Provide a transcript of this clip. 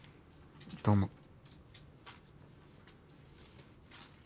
どうも。